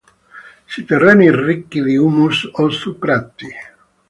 Su terreni ricchi di humus o su prati.